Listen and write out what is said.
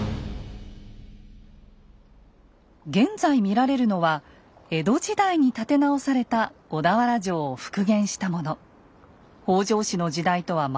現在見られるのは江戸時代に建て直された小田原城を復元したもの。